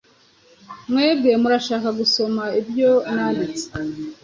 Mwebwe murashaka gusoma ibyo nanditse?